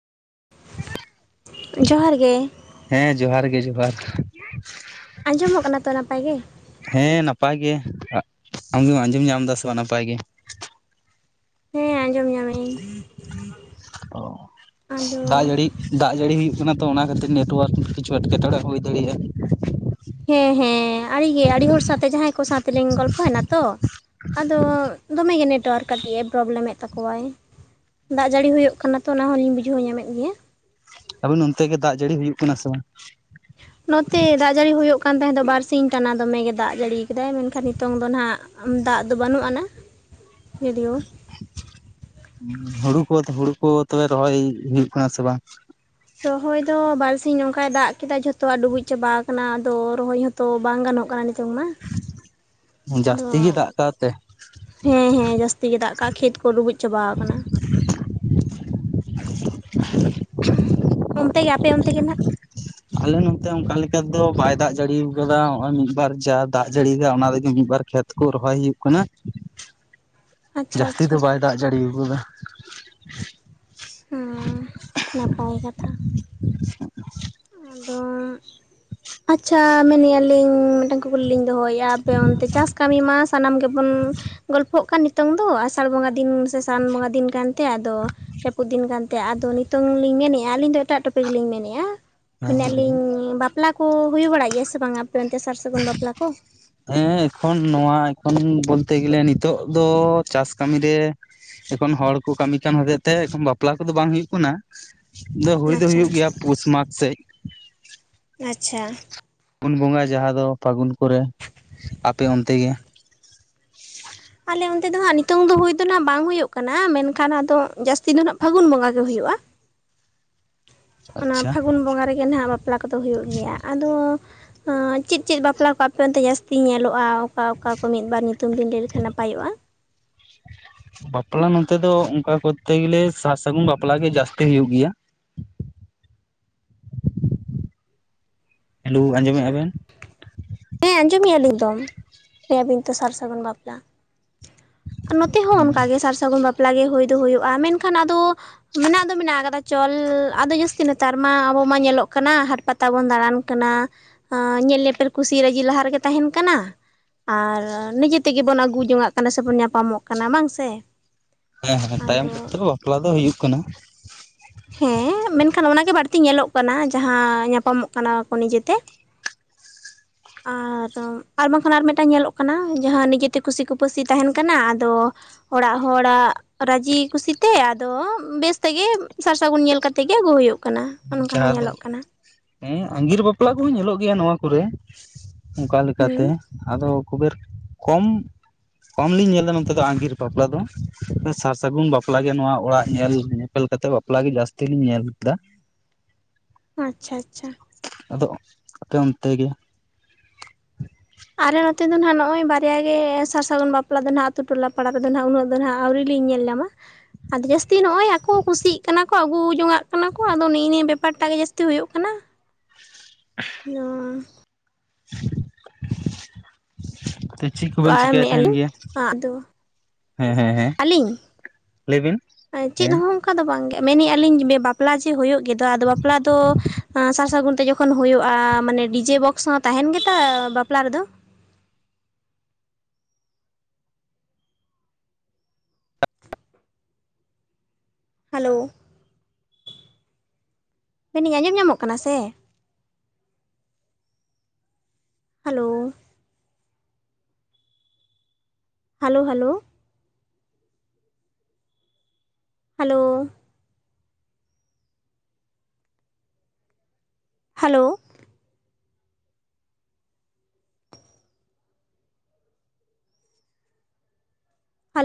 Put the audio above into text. ᱡᱚᱦᱟᱨ ᱜᱮ ᱦᱮᱸ ᱡᱚᱦᱟᱨ ᱜᱮ ᱡᱚᱦᱟᱨ ᱟᱸᱡᱚᱢᱚᱜ ᱠᱟᱱᱟ ᱛᱚ ᱱᱟᱯᱟᱭ ᱜᱮ ᱦᱮᱸ ᱱᱟᱯᱟᱭ ᱜᱮ ᱟᱢᱜᱮᱢ ᱟᱸᱡᱚᱢ ᱮ ᱥᱮ ᱵᱟᱝ ᱱᱟᱯᱟᱭ ᱜᱮ ᱦᱮᱸ ᱟᱹᱡᱚᱢ ᱧᱟᱢᱮᱜ ᱤᱧ ᱚ ᱟᱫᱚ ᱫᱟᱜ ᱡᱟᱹᱲᱤᱼᱼ ᱫᱟᱜ ᱡᱟᱹᱲᱤ ᱦᱩᱭᱩᱜ ᱠᱟᱱᱟ ᱛᱚ ᱚᱱᱟ ᱠᱷᱟᱹᱛᱤᱨ ᱱᱮᱴᱳᱣᱟᱨᱠ ᱠᱤᱪᱷᱩ ᱮᱴᱠᱮᱴᱚᱬᱮ ᱦᱩᱭ ᱫᱟᱲᱮᱭᱟᱜᱼᱟ, ᱦᱮᱸ ᱦᱮᱸ ᱟᱹᱰᱤᱜᱮ ᱟᱹᱰᱤ ᱦᱚᱲ ᱥᱟᱶᱛᱮ ᱡᱟᱦᱟᱸᱭ ᱠᱚ ᱥᱟᱶᱛᱮᱞᱤᱧ ᱜᱚᱞᱯᱷᱚᱭᱮᱱᱟ ᱛᱚ ᱟᱫᱚ ᱫᱚᱢᱮᱜ ᱜᱮ ᱱᱮᱴᱣᱟᱨᱠ ᱠᱟᱹᱴᱤᱡ ᱮ ᱯᱨᱚᱵᱞᱮᱢᱮᱫ ᱛᱟᱠᱚᱣᱟᱭ ᱫᱟᱜ ᱡᱟᱹᱲᱤ ᱦᱩᱭᱩᱜ ᱠᱟᱱᱟ ᱛᱚ ᱚᱱᱟ ᱦᱚᱸᱞᱤᱧ ᱵᱩᱡᱷᱟᱹᱣ ᱧᱟᱢᱮᱫ ᱜᱮᱭᱟ ᱟᱵᱮᱱ ᱚᱱᱛᱮ ᱜᱮ ᱫᱟᱜ ᱡᱟᱹᱲᱤ ᱦᱩᱭᱩᱜ ᱠᱟᱱᱟ ᱥᱮ ᱵᱟᱝ? ᱱᱚᱛᱮ ᱫᱟᱜ ᱡᱟᱹᱲᱤ ᱦᱩᱭᱩᱜ ᱠᱟᱱ ᱛᱟᱦᱮᱸ ᱫᱚ ᱵᱟᱨ ᱥᱤᱧ ᱴᱟᱱᱟ ᱫᱚᱢᱮᱜᱮ ᱫᱟᱜ ᱡᱟᱹᱲᱤ ᱠᱟᱫᱟᱭ ᱢᱮᱱᱠᱷᱟᱱ ᱱᱤᱛᱚᱝ ᱫᱚ ᱱᱟᱦᱟᱜ ᱫᱟᱜ ᱫᱚ ᱵᱟᱱᱩᱜ ᱟᱱᱟ ᱡᱚᱫᱤᱭᱚ ᱦᱩᱲᱩ ᱠᱚ ᱦᱩᱲᱩ ᱠᱚ ᱛᱚᱵᱮ ᱨᱚᱦᱚᱭ ᱦᱩᱭᱩᱜ ᱠᱟᱱᱟ ᱥᱮ ᱵᱟᱝ? ᱨᱚᱦᱚᱭ ᱫᱚ ᱵᱟᱨᱥᱤᱧ ᱱᱚᱝᱠᱟᱭ ᱫᱟᱜ ᱠᱮᱫᱟ ᱡᱷᱚᱛᱚᱣᱟᱜ ᱰᱩᱵᱩᱡ ᱪᱟᱵᱟ ᱟᱠᱟᱱᱟ ᱟᱫᱚ ᱨᱚᱦᱚᱭ ᱦᱚᱛᱚ ᱵᱟᱝ ᱜᱟᱱᱚᱜ ᱠᱟᱱᱟ ᱱᱤᱛ ᱚᱝ ᱢᱟ ᱟᱫᱚ ᱡᱟᱹᱥᱛᱤ ᱜᱮ ᱫᱟᱜ ᱠᱟᱜ ᱛᱮ ᱦᱮᱸ ᱦᱮᱸ ᱡᱟᱹᱥᱛᱤ ᱜᱮ ᱫᱟᱜ ᱠᱟᱜ-ᱟ ᱠᱷᱮᱛ ᱠᱚ ᱰᱩᱵᱩᱡ ᱪᱟᱵᱟ ᱟᱠᱟᱱᱟ, ᱚᱱᱛᱮ ᱜᱮ ᱟᱯᱮ ᱚᱱᱛᱮᱜᱮ ᱱᱟᱦᱟᱜ ᱟᱞᱮ ᱱᱚᱛᱮ ᱚᱱᱠᱟ ᱞᱮᱠᱟ ᱫᱚ ᱵᱟᱭ ᱫᱟᱜ ᱡᱟᱹᱲᱤᱭᱟᱠᱟᱫᱟ ᱱᱚᱜᱼᱚᱭ ᱢᱤᱫᱵᱟᱨ ᱡᱟ ᱫᱟᱜ ᱡᱟᱹᱲᱤᱭᱟᱠᱟᱫᱟ ᱚᱱᱟ ᱨᱮᱜᱮ ᱢᱤᱫᱵᱟᱨ ᱠᱷᱮᱛ ᱠᱚ ᱨᱚᱦᱚᱭ ᱦᱩᱭᱩᱜ ᱠᱟᱱᱟ ᱾ ᱟᱪᱪᱷᱟ ᱡᱟᱹᱥᱛᱤ ᱟᱪᱪᱷᱟ ᱫᱚ ᱵᱟᱭ ᱫᱟᱜ ᱡᱟᱹᱲᱤᱣ ᱠᱟᱫᱟ ᱾ ᱦᱩᱸ ᱱᱟᱯᱟᱭ ᱠᱟᱛᱷᱟ ᱾ ᱟᱫᱚᱸᱻ ᱟᱪᱪᱷᱟ ᱢᱮᱱᱮ-ᱟᱞᱤᱧ ᱢᱤᱫᱴᱟᱝ ᱠᱩᱠᱞᱤ ᱞᱤᱧ ᱫᱚᱦᱚᱭᱮᱜ-ᱟ ᱟᱯᱮ ᱚᱱᱛᱮ ᱪᱟᱥ ᱠᱟᱹᱢᱤ ᱢᱟ ᱥᱟᱱᱟᱢ ᱜᱮᱵᱚᱱ ᱜᱚᱞᱯᱷᱚᱜ ᱠᱟᱱ ᱱᱤᱛ ᱱᱤᱛᱚᱝ ᱫᱚ ᱟᱥᱟᱲ ᱵᱚᱸᱜᱟ ᱫᱤᱱ ᱥᱮ ᱥᱟᱱ ᱵᱚᱸᱜᱟ ᱫᱤᱱ ᱠᱟᱱᱛᱮ ᱟᱫᱚ ᱡᱟᱹᱯᱩᱫ ᱫᱤᱱ ᱠᱟᱱ ᱛᱮ ᱟᱫᱚ ᱱᱤᱛᱚᱝ ᱞᱤᱧ ᱢᱮᱱᱮ-ᱟ ᱟᱹᱞᱤᱧ ᱫᱚ ᱮᱴᱟᱜ ᱴᱚᱯᱤᱠ ᱞᱤᱧ ᱢᱮᱱᱮᱫᱼᱟ, ᱦᱮᱸ ᱢᱮᱱᱮ-ᱟᱞᱤᱧ ᱵᱟᱯᱞᱟ ᱠᱚ ᱦᱩᱭ ᱵᱟᱲᱟᱜ ᱜᱮᱭᱟ ᱥᱮ ᱵᱟᱝᱟ ᱟᱯᱮ ᱚᱱᱛᱮ ᱥᱟᱨᱼᱥᱟᱹᱜᱩᱱ ᱵᱟᱯᱞᱟ ᱠᱚ? ᱦᱮᱸ ᱮᱠᱷᱚᱱ ᱱᱚᱣᱟ ᱮᱠᱷᱚᱱ ᱵᱚᱞᱛᱮ ᱜᱮᱞᱮ ᱱᱤᱛᱚᱜ ᱫᱚ ᱪᱟᱥ ᱠᱟᱹᱢᱤ ᱨᱮ ᱮᱠᱷᱚᱱ ᱦᱚᱲ ᱠᱚ ᱠᱟᱹᱢᱤ ᱠᱟᱱ ᱦᱚᱛᱮᱫ ᱛᱮ ᱮᱠᱷᱚᱱ ᱵᱟᱯᱞᱟ ᱠᱚᱫᱚ ᱵᱟᱝ ᱦᱩᱭᱩᱜ ᱠᱟᱱᱟ ᱾ ᱟᱫᱚ ᱦᱩᱭ ᱫᱚ ᱟᱪᱪᱷᱟ ᱦᱩᱭᱩᱜ ᱜᱮᱭᱟ ᱯᱩᱥ ᱢᱟᱜᱽ ᱥᱮᱡ ᱾ ᱟᱪᱪᱷᱟ ᱾ ᱯᱩᱱ ᱵᱚᱸᱜᱟ ᱡᱟᱦᱟᱸ ᱫᱚ ᱯᱷᱟᱹᱜᱩᱱ ᱠᱚᱨᱮ ᱾ ᱟᱯᱮ ᱚᱱᱛᱮ ᱜᱮ ᱟᱞᱮ ᱚᱱᱛᱮ ᱫᱚ ᱦᱟᱸᱜ ᱱᱤᱛᱚᱝ ᱫᱚ ᱦᱩᱭ ᱫᱚ ᱱᱟᱜ ᱵᱟᱝ ᱦᱩᱭᱩᱜ ᱠᱟᱱᱟ ᱢᱮᱱᱠᱷᱟᱱ ᱟᱫᱚ ᱡᱟᱹᱥᱛᱤ ᱫᱚ ᱱᱟᱦᱟᱜ ᱯᱷᱟᱹᱜᱩᱱ ᱵᱚᱸᱜᱟ ᱜᱮ ᱦᱩᱭᱩᱜᱼᱟ ᱾ ᱚᱱᱟ ᱟᱪᱪᱷᱟ ᱯᱷᱟᱹᱜᱩᱱ ᱵᱚᱸᱜᱟ ᱨᱮᱜᱮ ᱦᱟᱸᱜ ᱵᱟᱯᱞᱟ ᱠᱚᱫᱚ ᱦᱩᱭᱩᱜ ᱜᱮᱭᱟ ᱟᱫᱚ ᱮᱸ ᱪᱮᱫ ᱪᱮᱫ ᱵᱟᱯᱞᱟ ᱠᱚ ᱟᱯᱮ ᱚᱱᱛᱮ ᱡᱟᱹᱥᱛᱤ ᱧᱮᱞᱚᱜᱼᱟ? ᱚᱠᱟ ᱚᱠᱟ ᱠᱚ ᱢᱤᱫ ᱵᱟᱨ ᱧᱩᱛᱩᱢ ᱵᱤᱱ ᱞᱟᱹᱭ ᱞᱮᱠᱷᱟᱱ ᱱᱟᱯᱟᱭᱚᱜᱼᱟ ᱾ ᱵᱟᱯᱞᱟ ᱱᱚᱱᱛᱮ ᱫᱚ ᱚᱱᱠᱟ ᱠᱚᱨᱛᱮ ᱜᱮᱞᱮ ᱥᱟᱨᱼᱥᱟᱹᱜᱩᱱ ᱵᱟᱯᱞᱟ ᱜᱮ ᱡᱟᱹᱥᱛᱤ ᱦᱩᱭᱩᱜ ᱜᱮᱭᱟ ᱾ ᱦᱮᱞᱩ ᱟᱸᱡᱚᱢᱮᱜᱼᱟ ᱵᱮᱱ? ᱦᱮᱸ ᱟᱸᱡᱚᱢᱮᱜ-ᱟ ᱞᱤᱧ ᱛᱚ, ᱞᱟᱹᱭᱮ-ᱟ ᱵᱤᱱ ᱛᱚ ᱥᱟᱨᱼᱥᱟᱹᱜᱩᱱ ᱵᱟᱯᱞᱟ ᱾ ᱱᱚᱛᱮ ᱦᱚᱸ ᱚᱱᱠᱟᱜᱮ ᱥᱟᱨᱼᱥᱟᱹᱜᱩᱱ ᱵᱟᱯᱞᱟ ᱜᱮ ᱦᱩᱭ ᱫᱚ ᱦᱩᱭᱩᱜᱼᱟ ᱢᱮᱱᱠᱷᱟᱱ ᱟᱫᱚ ᱢᱮᱱᱟᱜ ᱫᱚ ᱢᱮᱱᱟᱜ ᱟᱠᱟᱫᱟ ᱪᱚᱞ ᱟᱫᱚ ᱡᱟᱹᱥᱛᱤ ᱱᱮᱛᱟᱨ ᱢᱟ ᱟᱵᱚ ᱢᱟ ᱧᱮᱞᱚᱜ ᱠᱟᱱᱟ ᱦᱟᱴ ᱯᱟᱛ ᱛᱟᱵᱚᱱ ᱫᱟᱬᱟᱱ ᱠᱟᱱᱟ, ᱚᱸ ᱧᱮᱞ ᱧᱮᱯᱮᱞ ᱠᱩᱥᱤ ᱨᱟᱹᱡᱤ ᱞᱟᱦᱟ ᱨᱮᱜᱮ ᱛᱟᱦᱮᱱ ᱠᱟᱱᱟ ᱾ ᱟᱨ ᱱᱤᱡᱮ ᱛᱮᱜᱮ ᱵᱚᱱ ᱟᱹᱜᱩ ᱡᱚᱝ-ᱟᱜ ᱠᱟᱱᱟ ᱥᱮᱵᱚᱱ ᱧᱟᱯᱟᱢᱚᱜ ᱠᱟᱱᱟ ᱵᱟᱝ ᱥᱮ? ᱦᱮᱸ ᱦᱮᱸ ᱛᱟᱭᱚᱢ ᱥᱮᱫ ᱟᱫᱚ ᱛᱮᱵᱚ ᱵᱟᱯᱞᱟ ᱫᱚ ᱦᱩᱭᱩᱜ ᱠᱟᱱᱟ ᱾ ᱦᱮᱸ ᱢᱮᱱᱠᱷᱟᱱ ᱚᱱᱟᱜᱮ ᱵᱟᱹᱲᱛᱤ ᱧᱮᱞᱚᱜ ᱠᱟᱱᱟ ᱡᱟᱦᱟᱸ ᱧᱟᱯᱟᱢᱚᱜ ᱠᱟᱱᱟ ᱠᱚ ᱱᱤᱡᱮ ᱛᱮ ᱾ ᱟᱨ, ᱟᱨᱵᱟᱝᱠᱷᱟᱱ ᱟᱨ ᱢᱮᱫᱴᱟᱝ ᱧᱮᱞᱚᱜ ᱠᱟᱱᱟ ᱡᱟᱦᱟᱸ ᱱᱤᱡᱮᱛᱮ ᱠᱩᱥᱤ ᱠᱩᱯᱟᱹᱥᱤ ᱛᱟᱦᱮᱱ ᱠᱟᱱᱟ ᱟᱫᱚ ᱚᱲᱟᱜ ᱦᱚᱲᱟᱜ ᱨᱟᱹᱡᱤ ᱠᱩᱥᱤ ᱛᱮ ᱟᱫᱚ ᱵᱮᱥ ᱛᱮᱜᱮ ᱥᱟᱨᱼ ᱥᱟᱹᱜᱩᱱ ᱧᱮᱞ ᱠᱟᱛᱮᱜ ᱜᱮ ᱟᱹᱜᱩ ᱦᱩᱭᱩᱜ ᱠᱟᱱᱟ ᱚᱱᱠᱟ ᱦᱚᱸ ᱡᱟᱦᱟᱸ ᱫᱚ ᱧᱮᱞᱚᱜ ᱠᱟᱱᱟ ᱾ ᱦᱮᱸ ᱟᱸᱜᱤᱨ ᱵᱟᱯᱞᱟ ᱠᱚᱦᱚᱸ ᱧᱮᱞᱚᱜ ᱜᱮᱭᱟ ᱱᱚᱣᱟ ᱠᱚᱨᱮ ᱚᱱᱠᱟ ᱞᱮᱠᱟᱛᱮ ᱦᱩᱸ ᱾ ᱟᱫᱚ ᱠᱷᱩᱵᱮᱨ ᱠᱚᱢ ᱠᱚᱢ ᱞᱤᱧ ᱧᱮᱞ ᱮᱫᱟ ᱱᱚᱛᱮ ᱫᱚ ᱟᱸᱜᱤᱨ ᱵᱟᱯᱞᱟ ᱫᱚ ᱥᱟᱨᱼᱥᱟᱹᱜᱩᱱ ᱵᱟᱯᱞᱟ ᱜᱮ ᱱᱚᱣᱟ ᱚᱲᱟᱜ ᱧᱮᱞ ᱧᱮᱯᱮᱞ ᱠᱟᱛᱮ ᱵᱟᱯ ᱵᱟᱯᱞᱟ ᱜᱮ ᱡᱟᱹᱥᱛᱤ ᱞᱤᱧ ᱧᱮᱞ ᱠᱮᱫᱟ ᱾ ᱟᱪᱪᱷᱟ ᱟᱪᱪᱷᱟ ᱾ ᱟᱫᱚ ᱟᱯᱮ ᱚᱱᱛᱮ ᱜᱮ? ᱟᱞᱮ ᱱᱚᱛᱮ ᱫᱚ ᱱᱟᱦᱟᱜ ᱱᱚᱜ-ᱚᱭ ᱵᱟᱨᱭᱟ ᱜᱮ ᱥᱟᱨᱼᱥᱟᱹᱜᱩᱱ ᱵᱟᱯᱞᱟ ᱫᱚ ᱱᱟᱦᱟᱜ ᱟᱹᱛᱩ ᱴᱚᱞᱟ ᱯᱟᱲᱟ ᱨᱮᱫᱚ ᱱᱟᱦᱜ ᱩᱱᱟᱹᱜ ᱟᱫᱚ ᱱᱟᱦᱜ ᱟᱹᱣᱨᱤ ᱞᱤᱧ ᱧᱮᱞ ᱧᱟᱢᱟ ᱾ ᱟᱨ ᱡᱟᱹᱥᱛᱤ ᱱᱚᱜᱼᱚᱭ ᱟᱠᱚ ᱠᱩᱥᱤᱜ ᱠᱟᱱᱟ ᱠᱚ ᱟᱹᱜᱩ ᱡᱚᱝᱟᱜ ᱠᱟᱱᱟ ᱠᱚ ᱟᱫᱚ ᱱᱮᱜᱼᱮ ᱱᱤᱭᱟᱹ ᱵᱮᱯᱟᱨ ᱴᱟᱜ ᱜᱮ ᱡᱟᱹᱥᱛᱤ ᱦᱩᱭᱩᱜ ᱠᱟᱱᱟ ᱾ [unintelligible] [unintelligible] ᱛᱚ ᱪᱮᱫ ᱠᱚᱵᱮᱱ ᱪᱤᱠᱟᱹᱭᱮᱫ ᱯᱟᱨᱚᱢᱮᱜᱼᱟ ᱛᱟᱦᱮᱱ ᱞᱤᱧ ᱜᱮᱭᱟ? ᱟᱫᱚ ᱦᱮᱸ ᱦᱮᱸ ᱦᱮᱸ ᱟᱹᱞᱤᱧ ᱞᱟᱹᱭ ᱵᱮᱱ ᱾ ᱪᱮᱫ ᱦᱚᱸ ᱚᱱᱠᱟ ᱫᱚ ᱵᱟᱝᱜᱮ ᱢᱮᱱᱮ-ᱟᱞᱤᱧ ᱵᱟᱯᱞᱟ ᱡᱮ ᱦᱩᱭᱩᱜ ᱜᱮᱫᱚ ᱟᱫᱚ ᱵᱟᱯᱞᱟ ᱫᱚ ᱟᱸ ᱥᱟᱨᱼᱥᱟᱹᱜᱩᱱ ᱛᱮ ᱡᱚᱠᱷᱚᱱ ᱦᱩᱭᱩᱜᱼᱟ ᱢᱟᱱᱮ ᱰᱤᱡᱮ ᱵᱚᱠᱥ ᱦᱚᱸ ᱛᱟᱦᱮᱱ ᱜᱮᱛᱟ ᱵᱟᱯᱞᱟ ᱨᱮᱫᱚ? ᱦᱮᱞᱳᱣ᱾ ᱢᱮᱱ ᱟᱹᱧ ᱟᱸᱡᱚᱢ ᱧᱟᱢᱚᱜ ᱠᱟᱱᱟ ᱥᱮ? Hello. Hello hello. Hello, hello,